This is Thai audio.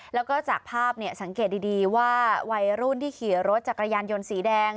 แล้วก็จากภาพสังเกตดีว่าวัยรุ่นที่ขี่รถจักรยานยนต์สีแดง